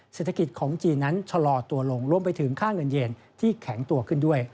เศรษฐกิจของจีนนั้นชะลอตัวลงรวมไปถึงค่าเงินเย็นที่แข็งตัวขึ้นด้วย